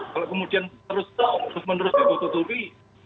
kalau kemudian terus menutupi